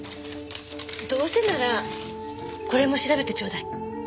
どうせならこれも調べてちょうだい。